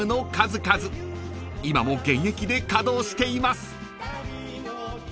［今も現役で稼働しています］